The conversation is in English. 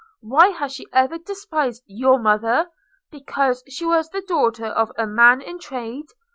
Why has she ever despised your mother, because she was the daughter of a man in trade?